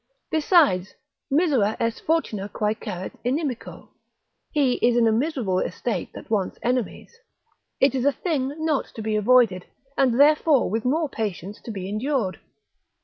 Besides, misera est fortuna quae caret inimico, he is in a miserable estate that wants enemies: it is a thing not to be avoided, and therefore with more patience to be endured.